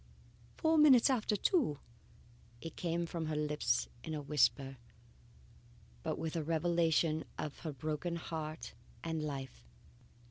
"Four minutes after two!" It came from her lips in a whisper, but with a revelation of her broken heart and life.